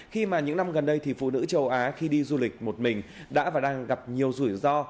khi mà những năm gần đây thì phụ nữ châu á khi đi du lịch một mình đã và đang gặp nhiều rủi ro